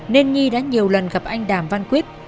nên nhi đã nhiều lần gặp anh đàm văn quyết